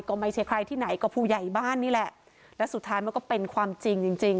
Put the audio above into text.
ก็ไม่ใช่ใครที่ไหนก็ผู้ใหญ่บ้านนี่แหละแล้วสุดท้ายมันก็เป็นความจริงจริง